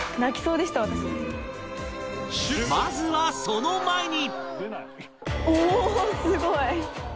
まずはその前に